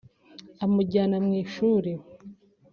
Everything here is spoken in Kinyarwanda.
amujyana mu ishuri